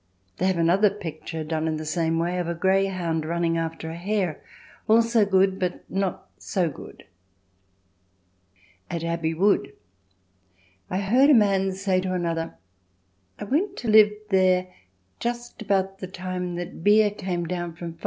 They have another picture, done in the same way, of a greyhound running after a hare, also good but not so good. At Abbey Wood I heard a man say to another: "I went to live there just about the time that beer came down from 5d.